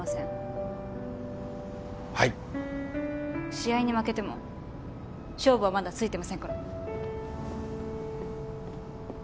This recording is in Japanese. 試合に負けても勝負はまだついてませんから。